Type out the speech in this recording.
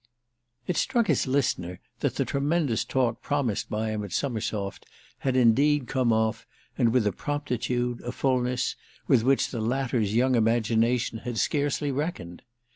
It struck his listener that the tremendous talk promised by him at Summersoft had indeed come off, and with a promptitude, a fulness, with which the latter's young imagination had scarcely reckoned.